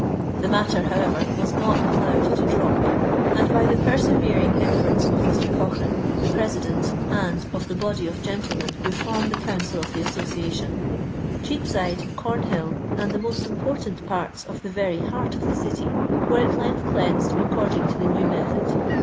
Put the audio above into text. The matter, however, was not allowed to drop, and by the persevering eflEbrts of Mr. Cochrane, the president, and of the body of gentlemen who form the Council of the Association, Cheapside, Comhill, and the most important parts of the very heart of the city were at length cleansed according to the new method.